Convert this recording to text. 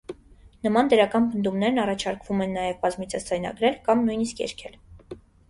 Նման դրական պնդումներն առաջարկվում են նաև բազմիցս ձայնագրել կամ նույնիսկ երգել։